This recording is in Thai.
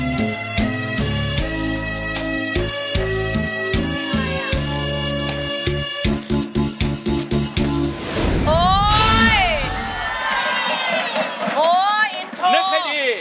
นึกให้ดี